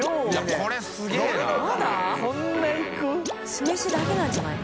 酢飯だけなんじゃない？